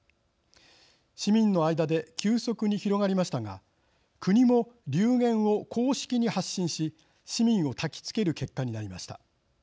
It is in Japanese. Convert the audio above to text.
市民の間で急速に広がりましたが国も流言を公式に発信し市民をたきつける結果になりました。